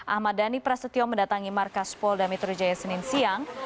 ahmad dhani prasetyo mendatangi markas polda metro jaya senin siang